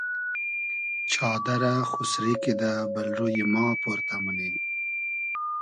چادئرہ خوسری کیدہ بئل روی ما پۉرتۂ مونی